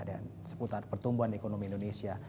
dan seputar pertumbuhan ekonomi indonesia